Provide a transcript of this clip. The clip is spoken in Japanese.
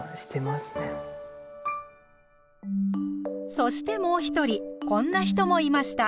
そしてもう一人こんな人もいました。